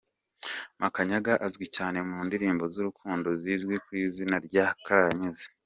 Makanyaga azwi cyane mu ndirimbo z’urukundo zizwi ku izina rya Karahanyuze.